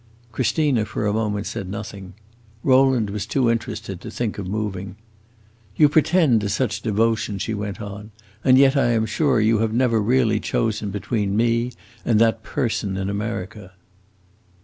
Christina for a moment said nothing. Rowland was too interested to think of moving. "You pretend to such devotion," she went on, "and yet I am sure you have never really chosen between me and that person in America."